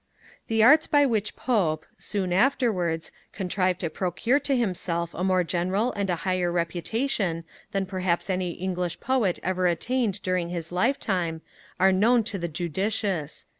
The arts by which Pope, soon afterwards, contrived to procure to himself a more general and a higher reputation than perhaps any English Poet ever attained during his lifetime, are known to the judicious.